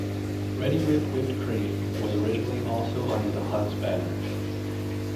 Reddi-wip whipped cream was originally also under the Hunt's banner.